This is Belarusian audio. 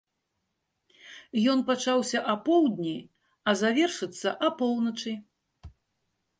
Ён пачаўся апоўдні, а завершыцца апоўначы.